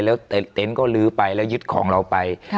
แล้วเต็นต์ก็ลื้อไปแล้วยึดของเราไป